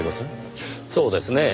そうですねぇ。